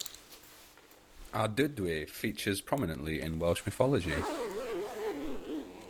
Ardudwy features prominently in Welsh mythology.